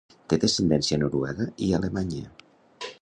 Té descendència noruega i alemanya.